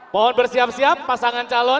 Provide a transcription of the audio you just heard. mohon bersiap siap pasangan calon